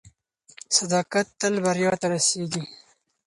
صداقت تل بریا ته رسیږي.